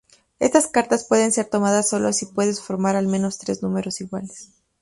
Estas cartas pueden ser tomadas solo si puedes formar al menos tres números iguales.